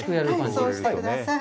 そうしてください。